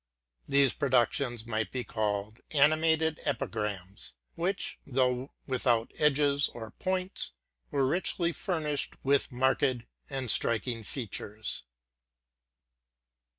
These productions might be called animated epigrams, which, though without edges or points, were richly furnished with marked and striking fea tures.